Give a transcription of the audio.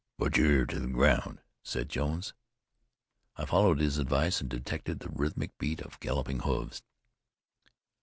"Put your ear to the ground," said Jones. I followed his advice, and detected the rhythmic beat of galloping horses.